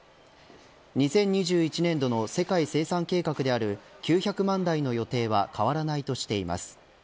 ２０２１年度の世界生産計画である９００万台の予定は変わらないとしています。